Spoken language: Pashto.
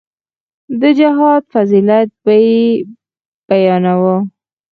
د جهاد فضيلت به يې بياناوه.